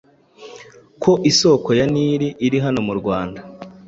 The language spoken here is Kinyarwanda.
ko isoko ya Nil iri hano mu Rwanda